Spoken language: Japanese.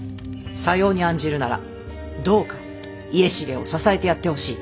さように案じるならどうか家重を支えてやってほしい。